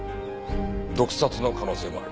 毒殺の可能性もある。